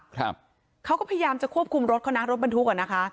ครับเขาก็พยายามจะควบคุมรถเขานะรถบรรทุกอ่ะนะคะ